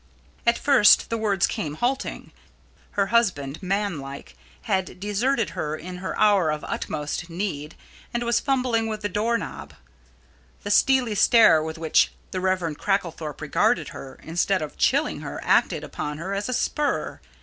At first the words came halting. Her husband, man like, had deserted her in her hour of utmost need and was fumbling with the door knob. The steely stare with which the Rev. Cracklethorpe regarded her, instead of chilling her, acted upon her as a spur.